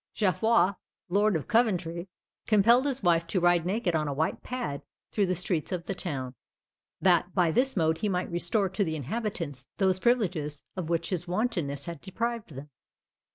Geoffrey, lord of Coventry, compelled his wife to ride naked on a white pad through the streets of the town; that by this mode he might restore to the inhabitants those privileges of which his wantonness had deprived them.